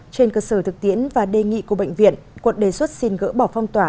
trên cơ sở thực tiễn và đề nghị của bệnh viện quận đề xuất xin gỡ bỏ phong tỏa